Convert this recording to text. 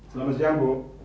selamat siang bu